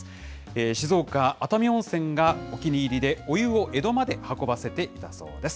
静岡・熱海温泉がお気に入りで、お湯を江戸まで運ばせていたそうです。